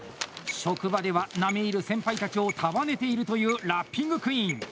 職場では並み居る先輩たちを束ねているというラッピングクイーン。